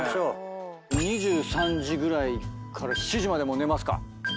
２３時ぐらいから７時まで寝ますか。